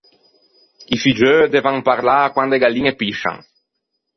I figgeu devan parlâ quande e galliñe piscian.